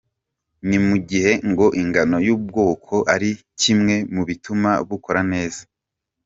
Ni mu gihe ngo ingano y’ubwonko ari kimwe mu bituma bukora neza.